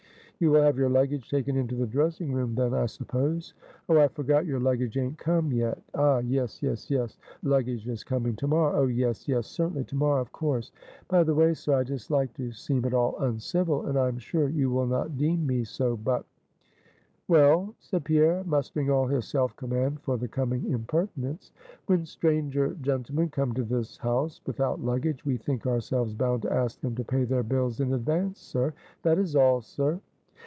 You will have your luggage taken into the dressing room, then, I suppose. Oh, I forgot your luggage aint come yet ah, yes, yes, yes luggage is coming to morrow Oh, yes, yes, certainly to morrow of course. By the way, sir; I dislike to seem at all uncivil, and I am sure you will not deem me so; but " "Well," said Pierre, mustering all his self command for the coming impertinence. "When stranger gentlemen come to this house without luggage, we think ourselves bound to ask them to pay their bills in advance, sir; that is all, sir."